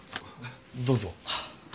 どうぞ。